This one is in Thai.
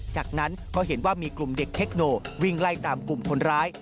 จากนั้นก็เห็นว่ามีกลุ่มเด็กเทคโนวิ่งไล่ตามกลุ่มคนร้าย